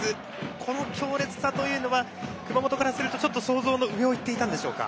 この強烈さというのは熊本からすると想像の上を行っていたでしょうか。